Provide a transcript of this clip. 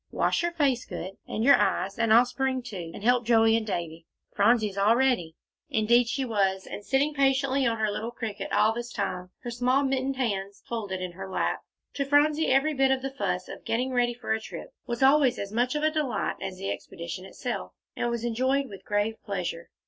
Wash your face good, and your eyes, and I'll spring to, and help Joey and Davie. Phronsie's all ready." Indeed, she was, and sitting patiently on her little cricket all this time, her small mittened hands folded in her lap. To Phronsie, every bit of the fuss of getting ready for a trip was always as much of a delight as the expedition itself, and was enjoyed with grave pleasure.